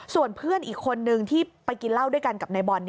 ส่วนเพื่อนอีกคนนึงที่ไปกินเหล้าด้วยกันกับนายบอล